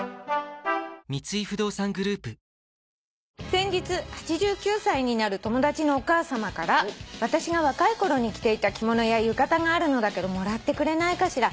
「先日８９歳になる友達のお母さまから『私が若い頃に着ていた着物や浴衣があるのだけどもらってくれないかしら。